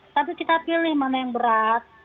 tapi kita pilih mana yang berat